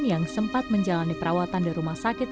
yang sempat menjalani perawatan di rumah sakit